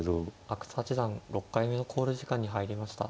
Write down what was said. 阿久津八段６回目の考慮時間に入りました。